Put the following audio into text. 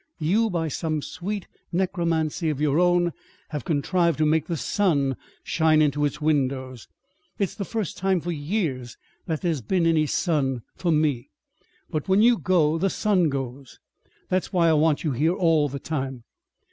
You, by some sweet necromancy of your own, have contrived to make the sun shine into its windows. It's the first time for years that there has been any sun for me. But when you go, the sun goes. That's why I want you here all the time.